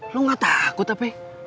lo ga takut apa ya